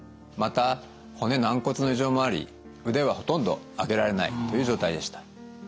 また骨軟骨の異常もあり腕はほとんど上げられないという状態でした。